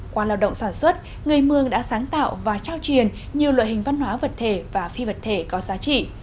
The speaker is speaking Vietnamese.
qua lao động sản xuất người mường đã sáng tạo và trao truyền nhiều loại hình văn hóa vật thể và phi vật thể có giá trị